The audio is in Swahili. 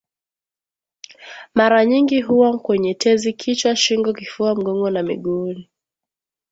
mara nyingi huwa kwenye tezi kichwa shingo kifua mgongo na miguuni